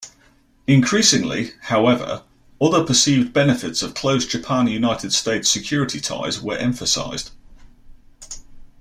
Increasingly, however, other perceived benefits of close Japan- United States security ties were emphasized.